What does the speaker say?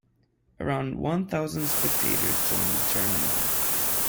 Around one thousand spectators joined the tournament.